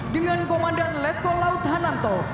dengan komandan letkol laut hanarto